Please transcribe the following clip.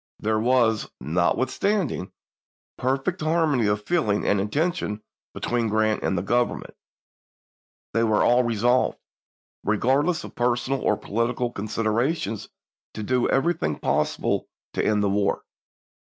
There was, notwithstanding, perfect harmony of feeling and intention between Grant and the Government. They were all resolved, regardless of personal or political considerations, to do everything possible to end the war.